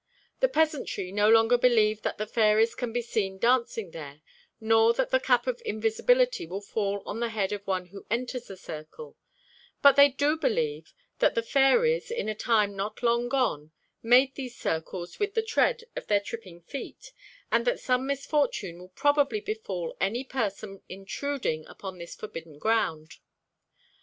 The peasantry no longer believe that the fairies can be seen dancing there, nor that the cap of invisibility will fall on the head of one who enters the circle; but they do believe that the fairies, in a time not long gone, made these circles with the tread of their tripping feet, and that some misfortune will probably befall any person intruding upon this forbidden ground.